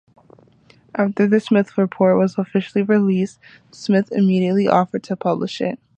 After the Smyth Report was officially released, Smith immediately offered to publish it.